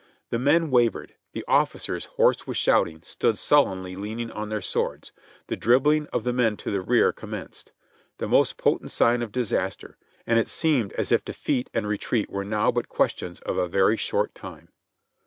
The men wavered ; the officers, hoarse with shouting, stood sullenly leaning on their swords ; the dribbling of the men to the rear commenced, — the most potent sign of disaster, — and it seemed as if defeat and retreat were now but questions of a very short time.